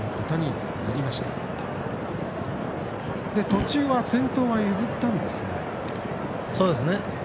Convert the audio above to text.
途中は先頭は譲ったんですが。